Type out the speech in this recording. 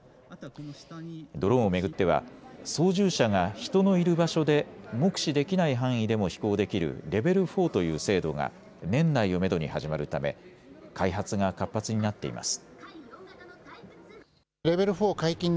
ドローンを巡っては操縦者が人のいる場所で目視できない範囲でも飛行できるレベル４という制度が年内をめどに始まるため開発が活発になっています。